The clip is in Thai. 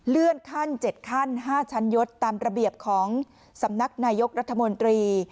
เลื่อนขั้น๗ขั้น๕ชั้นยศตามระเบียบของสำนักนายกรัฐมนตรี